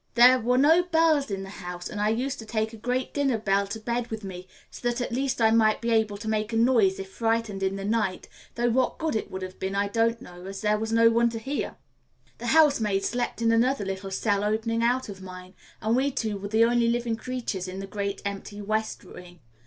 There were no bells in the house, and I used to take a great dinner bell to bed with me so that at least I might be able to make a noise if frightened in the night, though what good it would have been I don't know, as there was no one to hear. The housemaid slept in another little cell opening out of mine, and we two were the only living creatures in the great empty west wing.